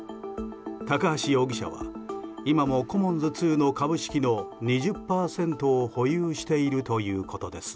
高橋容疑者は今もコモンズ２の株式の２０％を保有しているということです。